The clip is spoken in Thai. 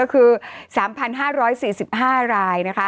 คือ๓๕๔๕ราย